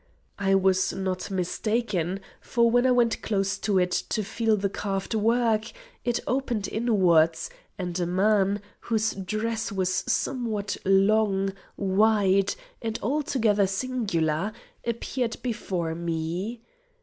I was not mistaken, for when I went close to it, to feel the carved work, it opened inwards, and a man, whose dress was somewhat long, wide, and altogether singular, appeared before me.